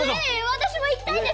私も行きたいです！